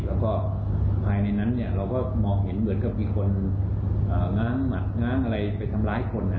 แล้วก็ภายในนั้นเราก็มองเห็นเหมือนกับมีคนง้างหมัดง้างอะไรไปทำร้ายคน